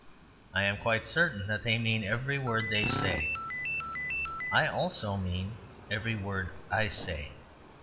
I am quite certain that they mean every word they say. I also mean every word I say.